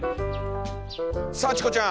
さあチコちゃん。